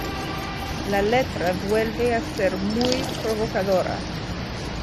La letra vuelve a ser muy provocadora.